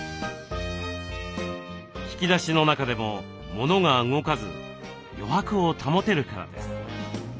引き出しの中でもモノが動かず余白を保てるからです。